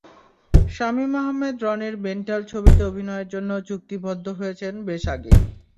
শামীম আহমেদ রনির মেন্টাল ছবিতে অভিনয়ের জন্য চুক্তিবদ্ধ হয়েছেন বেশ আগেই।